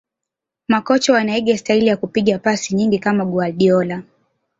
Makocha wanaiga staili ya kupiga pasi nyingi kama Guardiola